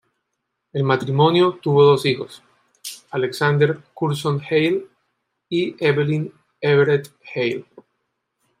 El matrimonio tuvo dos hijos, Alexander Curzon Hale y Evelyn Everett Hale.